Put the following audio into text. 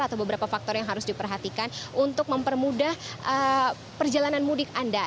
atau beberapa faktor yang harus diperhatikan untuk mempermudah perjalanan mudik anda